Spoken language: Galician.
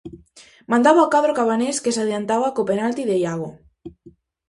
Mandaba o cadro cabanés que se adiantaba co penalti de Iago.